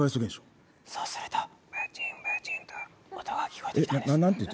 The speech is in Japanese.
そうすると、ブチンブチンと音が聞こえてきます。